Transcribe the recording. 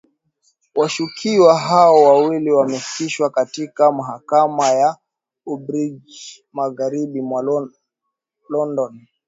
Washukiwa hao wawili wamefikishwa katika mahakama ya Uxbridge magharibi mwa London